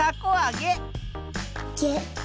げ。